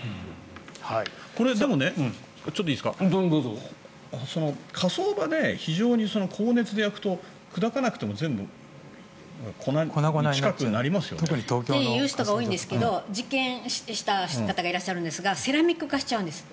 これ、でも、火葬場で非常に高熱で焼くと砕かなくても全部、粉に近くなりますよね。って言う人が多いんですが実験した方がいるんですがセラミック化しちゃうんです。